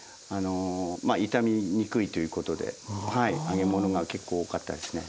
傷みにくいということで揚げ物が結構多かったですね。